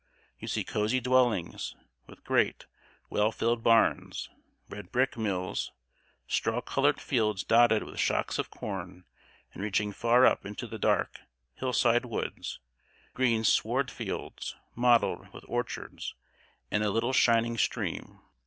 You see cozy dwellings, with great, well filled barns, red brick mills, straw colored fields dotted with shocks of corn and reaching far up into the dark, hill side woods, green sward fields, mottled with orchards, and a little shining stream.